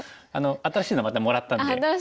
新しいのまたもらったんですね。